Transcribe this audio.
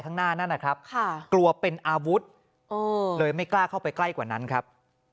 ข้างหน้ากลัวเป็นอาวุธเลยไม่กล้าเข้าไปใป่กว่านั้นครับ